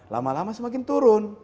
lama lama semakin turun